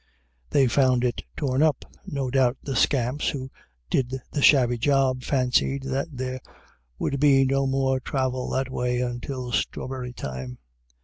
They found it torn up. No doubt the scamps who did the shabby job fancied that there would be no more travel that way until strawberry time.